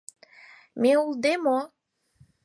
Ме улде мо?